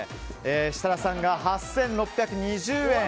設楽さんが８６２０円。